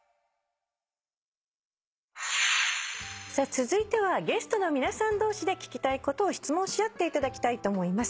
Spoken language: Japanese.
続いてはゲストの皆さん同士で聞きたいことを質問し合っていただきたいと思います。